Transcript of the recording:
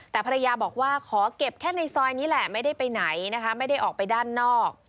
แต่ภรรยาบอกว่าขอเก็บแค่ในซอยนี้แหละไม่ได้ไปไหนนะคะไม่ได้ออกไปด้านนอก